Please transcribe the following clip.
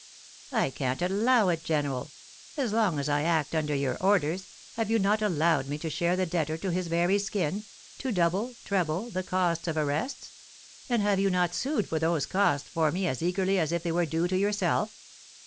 "I can't allow it, general. As long as I act under your orders, have you not allowed me to shear the debtor to his very skin, to double, treble, the costs of arrests? And have you not sued for those costs for me as eagerly as if they were due to yourself?"